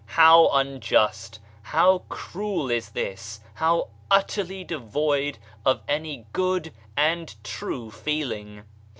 How un just, how cruel is this, how utterly devoid of any good and true feeling